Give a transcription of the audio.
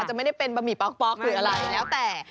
จะไม่ได้เป็นบะหมี่ป๊อกหรืออะไรแล้วแต่